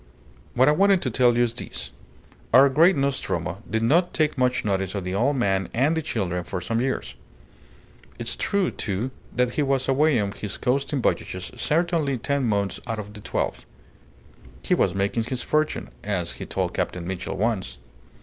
"What I wanted to tell you is this: Our great Nostromo did not take much notice of the old man and the children for some years. It's true, too, that he was away on his coasting voyages certainly ten months out of the twelve. He was making his fortune, as he told Captain Mitchell once.